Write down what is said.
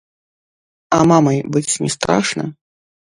А мамай быць не страшна?